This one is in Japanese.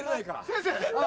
先生？